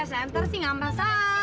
iya senter sih gak merasa hal